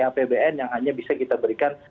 apbn yang hanya bisa kita berikan